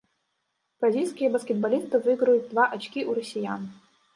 Бразільскія баскетбалісты выйграюць два ачкі ў расіян.